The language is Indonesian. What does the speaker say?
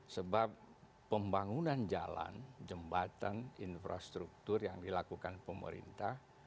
sebab pembangunan jalan jembatan infrastruktur yang dilakukan pemerintah